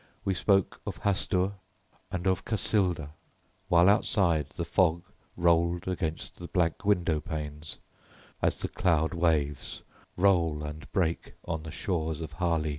We spoke of Hastur and of Cassilda, while outside the fog rolled against the blank window panes as the cloud waves roll and break on the shores of Hali.